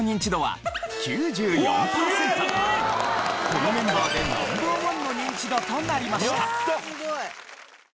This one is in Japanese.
このメンバーでナンバー１のニンチドとなりました。